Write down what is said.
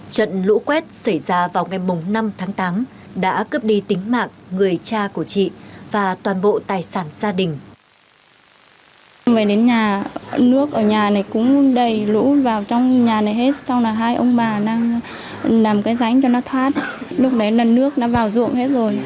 trận lũ quét xảy ra vào ngày năm tháng tám đã cướp đi tính mạng người cha của chị và toàn bộ tài sản gia đình